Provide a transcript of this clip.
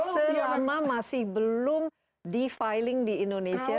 selama masih belum di filing di indonesia